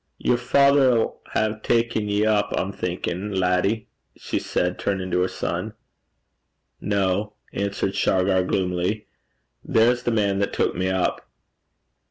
'Yer father 'ill hae ta'en ye up, I'm thinkin', laddie?' she said, turning to her son. 'No,' answered Shargar, gloomily. 'There's the man that took me up.'